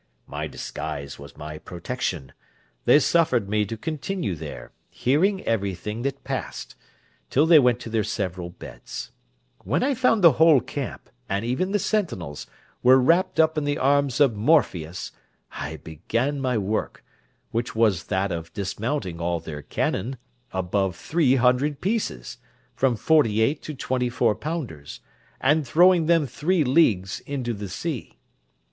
My disguise was my protection; they suffered me to continue there, hearing everything that passed, till they went to their several beds. When I found the whole camp, and even the sentinels, were wrapped up in the arms of Morpheus, I began my work, which was that of dismounting all their cannon (above three hundred pieces), from forty eight to twenty four pounders, and throwing them three leagues into the sea.